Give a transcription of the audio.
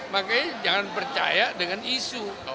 makanya jangan percaya dengan isu